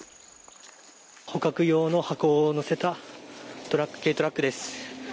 捕獲用の箱を載せた軽トラックです。